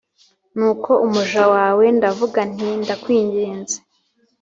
Nuko umuja wawe ndavuga nti ‘Ndakwinginze